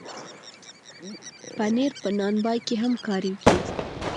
پنېر په نان بای کې هم کارېږي.